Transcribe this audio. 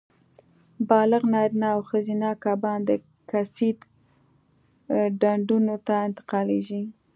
بالغ نارینه او ښځینه کبان د تکثیر ډنډونو ته انتقالېږي.